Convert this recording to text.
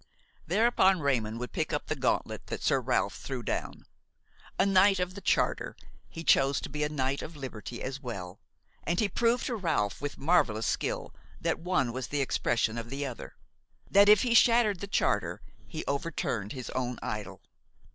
Thereupon Raymon would pick up the gauntlet that Sir Ralph threw down. A knight of the Charter, he chose to be a knight of liberty as well, and he proved to Ralph with marvelous skill that one was the expression of the other; that, if he shattered the Charter he overturned his own idol.